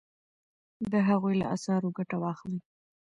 د هغوی له اثارو ګټه واخلئ.